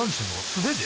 素手で？